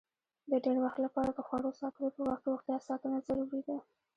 د ډېر وخت لپاره د خوړو ساتلو په وخت روغتیا ساتنه ضروري ده.